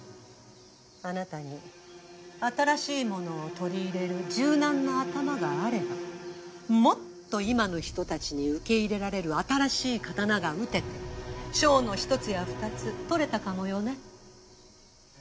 あなたに新しいものを取り入れる柔軟な頭があればもっと今の人たちに受け入れられる新しい刀が打てて賞の一つや二つ取れたかもよね。